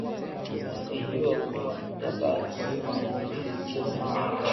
Tukijua kuwa tutabaki nyuma kiuchumi